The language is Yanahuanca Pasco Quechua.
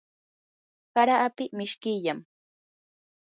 hara api mishkillam.